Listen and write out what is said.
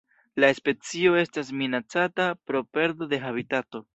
La specio estas minacata pro perdo de habitato.